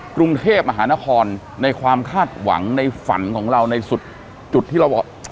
กรุงเทพมหานครในความคาดหวังในฝันของเราในสุดจุดที่เราบอก